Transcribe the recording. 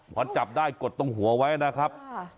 พอจับได้กดตรงหัวไว้นะครับ